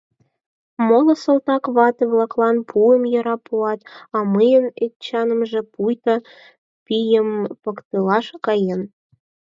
— Моло салтак вате-влаклан пуым яра пуат, а мыйын Эчанемже пуйто пийым поктылаш каен.